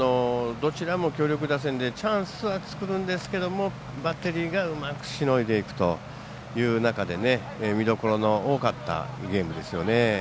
どちらも強力打線でチャンスは作るんですけれどもバッテリーがうまくしのいでいくという中で見どころの多かったゲームですね。